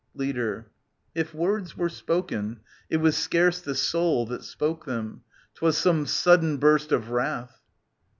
Leader. If words were spoken, it was scarce the sotd That spoke them : 'twas some sudden burst of wrath.